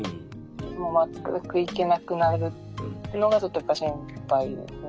もう全く行けなくなるってのがちょっとやっぱ心配ですね。